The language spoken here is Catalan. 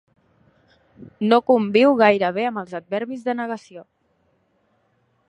No conviu gaire bé amb els adverbis de negació.